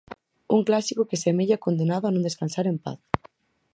Un clásico que semella condenado a non descansar en paz.